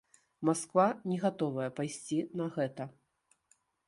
Масква не гатовая пайсці на гэта.